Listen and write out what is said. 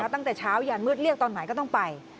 ตั้งแต่เช้ายานมืดเรียกตอนไหนก็ต้องไป